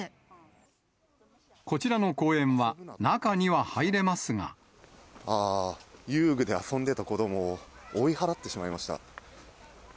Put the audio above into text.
こちらの公園は、中には入れあー、遊具で遊んでた子どもを追い払ってしまいました。